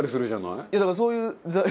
いやだからそういう。